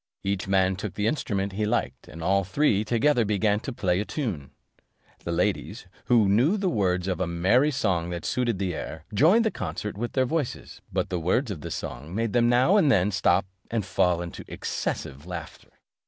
Each man took the instrument he liked, and all three together began to play a tune The ladies, who knew the words of a merry song that suited the air, joined the concert with their voices; but the words of the song made them now and then stop, and fall into excessive laughter.